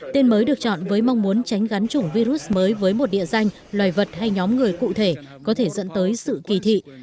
tên mới được chọn với mong muốn tránh gắn chủng virus mới với một địa danh loài vật hay nhóm người cụ thể có thể dẫn tới sự kỳ thị